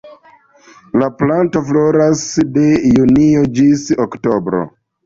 La planto floras de junio ĝis oktobro.